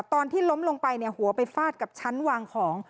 ตอนที่ล้มลงไปเนี่ยหัวไปฟาดกับชั้นวางของ